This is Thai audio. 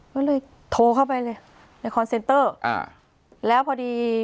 ก็เลยโทรเข้าไปเลยในคอนเซนเตอร์อ่าแล้วพอดี